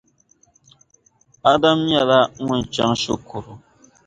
Adam nyɛla ŋun chaŋ shikuru.